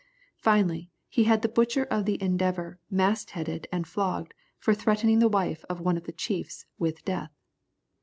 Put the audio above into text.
Finally, he had the butcher of the Endeavour mast headed and flogged, for threatening the wife of one of the chiefs with death.